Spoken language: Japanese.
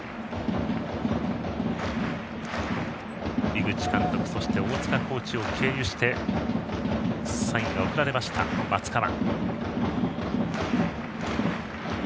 井口監督、そして大塚コーチを経由してサインが送られました、松川。